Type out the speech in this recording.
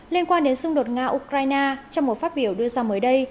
liên quan đến xung đột nga ukraine trong một phát biểu đưa ra mới đây